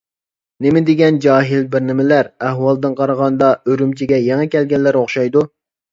نېمىدېگەن جاھىل بىرنېمىلەر، ئەھۋالدىن قارىغاندا ئۈرۈمچىگە يېڭى كەلگەنلەر ئوخشايدۇ.